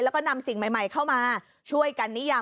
แล้วก็นำสิ่งใหม่เข้ามา